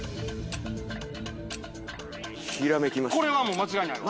これはもう間違いないわ。